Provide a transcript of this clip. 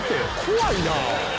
怖いな。